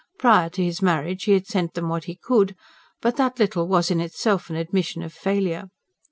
Prior to his marriage he had sent them what he could; but that little was in itself an admission of failure.